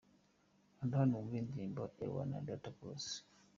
Kanda hano wumve indirimbo Umwana ya dada Cross.